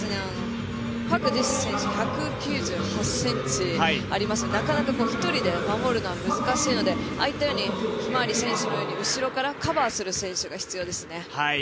パク・ジス選手１９８ｃｍありますのでなかなか１人で守るのは難しいのでああいったように、ひまわり選手のようにカバーする選手が必要ですね。